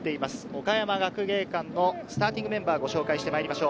岡山学芸館のスターティングメンバーをご紹介してまいりましょう。